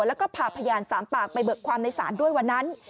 แล้วก็พาพยาน๓ปากไปเบิกความในศาลด้วยวันนั้น